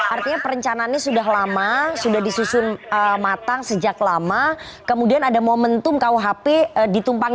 artinya perencanaannya sudah lama sudah disusun matang sejak lama kemudian ada momentum kuhp ditumpang